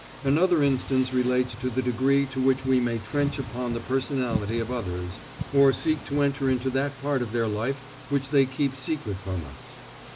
Another instance relates to the degree to which we may trench upon the personality of others, or seek to enter into that part of their life which they keep secret from us.